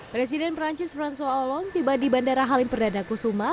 presiden perancis franzo olong tiba di bandara halim perdana kusuma